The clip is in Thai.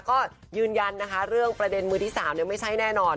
ก็ยืนยันนะคะเรื่องประเด็นมือที่๓ไม่ใช่แน่นอน